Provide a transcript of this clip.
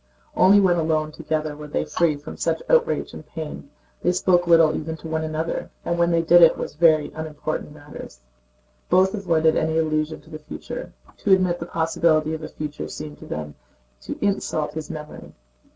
Only when alone together were they free from such outrage and pain. They spoke little even to one another, and when they did it was of very unimportant matters. Both avoided any allusion to the future. To admit the possibility of a future seemed to them to insult his memory.